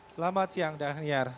selamat siang dhaniar